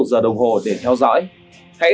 một giờ đồng hồ để theo dõi hãy